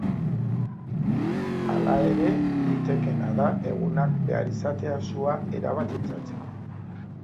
Hala ere, litekeena da egunak behar izatea sua erabat itzaltzeko.